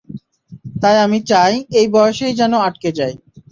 তাই আমি চাই - এই বয়সেই যেন আটকে যাই।